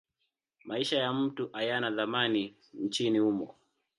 Maisha ya mtu hayana thamani nchini humo.